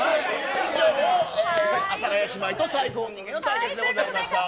以上、阿佐ヶ谷姉妹と最高の人間の対決でございました。